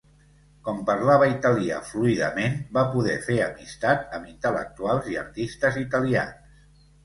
Com parlava italià fluidament, va poder fer amistat amb intel·lectuals i artistes italians.